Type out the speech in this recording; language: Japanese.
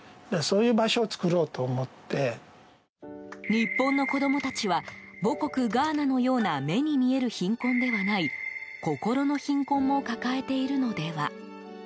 日本の子供たちは母国ガーナのような目に見える貧困ではない心の貧困も抱えているのでは。